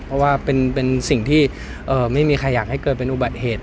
เพราะว่าเป็นสิ่งที่ไม่มีใครอยากให้เกิดเป็นอุบัติเหตุ